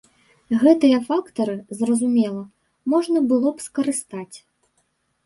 Гэтыя фактары, зразумела, можна было б скарыстаць.